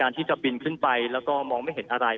ที่จะบินขึ้นไปแล้วก็มองไม่เห็นอะไร